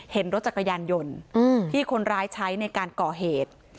เห็นรถจักรยานยนต์ที่คนร้ายใช้ในการก่อเหตุ